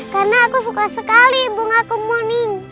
karena aku suka sekali bunga kemuning